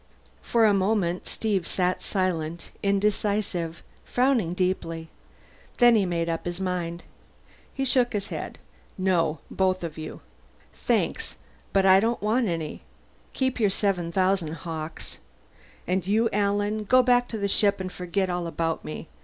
For a moment Steve sat silent, indecisive, frowning deeply. Then he made up his mind. He shook his head. "No both of you. Thanks, but I don't want any. Keep your seven thousand, Hawkes. And you, Alan go back to the ship and forget all about me.